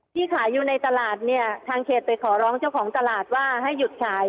ที่ขายอยู่ในตลาดเนี่ยทางเขตไปขอร้องเจ้าของตลาดว่าให้หยุดขาย